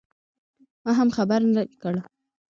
ما هم خبر نه کړ.